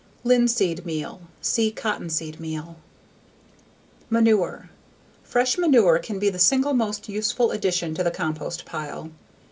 Linseed meal. See Cottonseed meal. Manure. Fresh manure can be the single most useful addition to the compost pile.